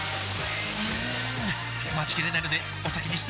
うーん待ちきれないのでお先に失礼！